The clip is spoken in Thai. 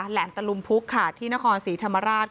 แหลมตะลุมพุกค่ะที่นครศรีธรรมราช